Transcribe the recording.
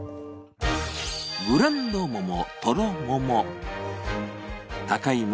ブランド桃、とろもも。